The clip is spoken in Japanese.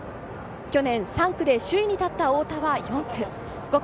去年３区で首位に立った太田は４区。